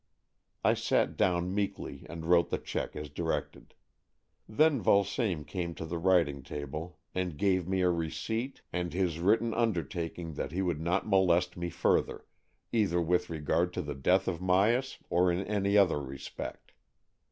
I sat down meekly and wrote the cheque as directed. Then Vulsame came to the writing table and gave me a receipt and his 174 AN EXCHANGE OF SOULS written undertaking that he would not molest me further, either with regard to the death of Myas or in any other respect.